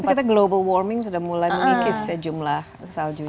tapi kita global warming sudah mulai menipis ya jumlah saljunya